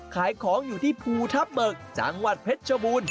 ขายของอยู่ที่ภูทับเบิกจังหวัดเพชรชบูรณ์